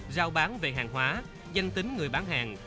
giao bán về hàng hóa danh tính người bán hàng